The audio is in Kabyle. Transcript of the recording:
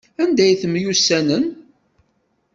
Anda ay temyussanem?